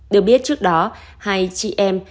được biết trước đó hai chị em